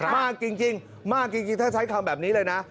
มากจริงถ้าใช้คำแบบนี้เลยนะ